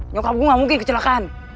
nyokap gue gak mungkin kecelakaan